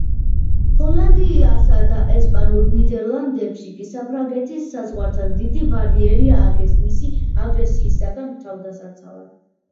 ჰოლანდიასა და ესპანურ ნიდერლანდებში კი საფრანგეთის საზღვართან დიდი ბარიერი ააგეს მისი აგრესიისაგან თავდასაცავად.